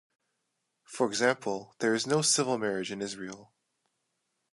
For example, there is no civil marriage in Israel.